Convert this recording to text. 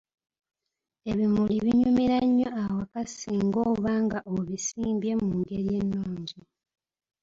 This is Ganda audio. Ebimuli binyumira nnyo awaka singa oba nga obisimbye mu ngeri ennungi.